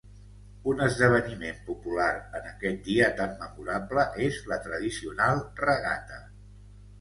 Un esdeveniment popular en aquest dia tan memorable és la tradicional regata.